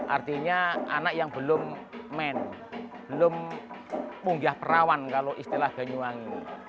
artinya anak yang belum men belum munggah perawan kalau istilah banyuwangi